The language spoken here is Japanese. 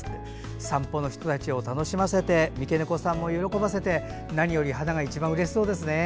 散歩の人たちを楽しませてミケネコさんも喜ばせて何より花が一番うれしそうですね。